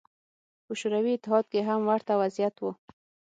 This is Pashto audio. په شوروي اتحاد کې هم ورته وضعیت و.